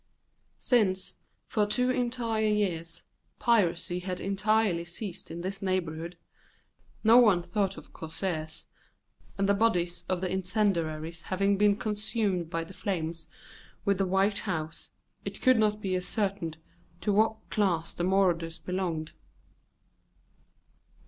Since, for two entire years, piracy had entirely ceased in this neighbourhood, no one thought of corsairs, and the bodies of the incendiaries having been consumed by the flames with the white house, it could not be ascertained to what class the marauders belonged.